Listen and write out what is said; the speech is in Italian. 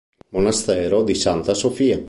Monastero di Santa Sofia